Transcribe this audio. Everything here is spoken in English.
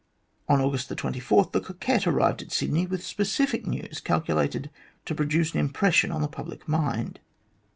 On August 24, the Coquette arrived at Sydney with specific news calculated to produce an impression on the public mind.